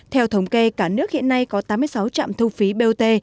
theo thống kê cả nước hiện nay có tám mươi sáu trạm thu phí bot